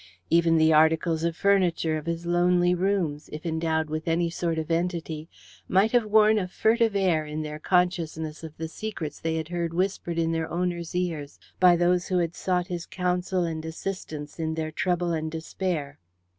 Even the articles of furniture of his lonely rooms, if endowed with any sort of entity, might have worn a furtive air in their consciousness of the secrets they had heard whispered in their owner's ears by those who had sought his counsel and assistance in their trouble and despair.